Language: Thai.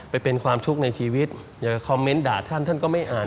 ไปเป็นความทุกข์ในชีวิตอย่าไปคอมเมนต์ด่าท่านท่านก็ไม่อ่าน